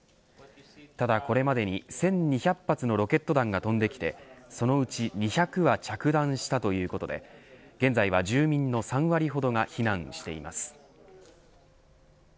ただ、これまでに１２００発のロケット弾が飛んできてそのうち２００は着弾したということで現在は住民の３割ほどが避難しています。